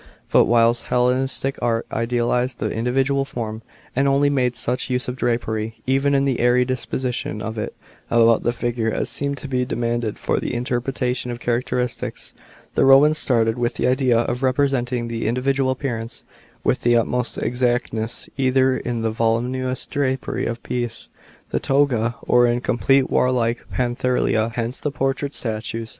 But "whilst Hellenistic art idealized the individual form, and only made such use of drapery, even in the airy disposition of it about the figure, as seemed to be demanded for the interpretation of characteristics, the Romans started with the idea of representing the individual appearance with the utmost exactness, either in the voluminous drapery of peace, the toga, or in complete warlike paraphernalia : hence the portrait, statues * LUbke, History of Art, i. 305. 27 B.C. 180 A.D SCULPTURE.